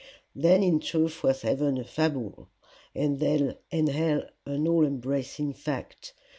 Then in truth was heaven a fable, and hell an all embracing fact!